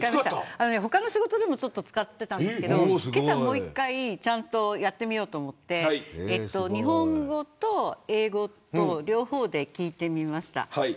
他の仕事でも使っていたんですけどけさ、もう一回ちゃんとやってみようと思って日本語と英語両方で聞いてみました。